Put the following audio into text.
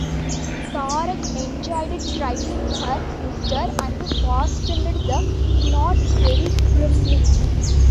Sarah enjoyed tying her sister and fastened the knots very firmly.